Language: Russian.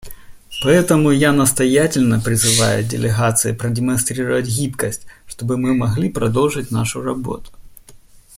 Поэтому я настоятельно призываю делегации продемонстрировать гибкость, чтобы мы могли продолжить нашу работу.